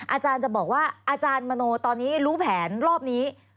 อาจารย์จะบอกว่าอาจารย์มโนตอนนี้รู้แผนรอบนี้